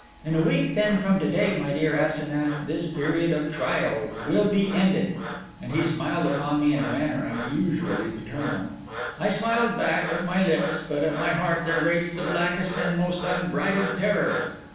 In a week then from to day, my dear Asenath, this period of trial will be ended.' And he smiled upon me in a manner unusually paternal. I smiled back with my lips, but at my heart there raged the blackest and most unbridled terror.